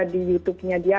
di youtube nya dia